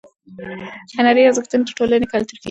هنري ارزښتونه د ټولنې کلتور ښیي.